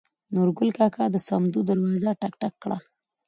نورګل کاکا د سمدو دروازه ټک ټک کړه.